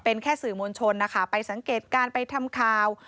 เป็นแค่สื่อมวลชนนะคะไปสังเกตการณ์ไปทำข่าว